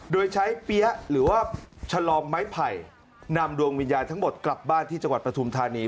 โดยใช้เปี๊ยะหรือว่าชะลอมไม้ไผ่นำดวงวิญญาณทั้งหมดกลับบ้านที่จังหวัดปฐุมธานี